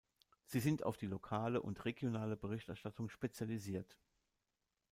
Sie sind auf die lokale und regionale Berichterstattung spezialisiert.